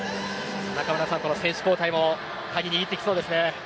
中村さん、選手交代も鍵を握ってきそうですね。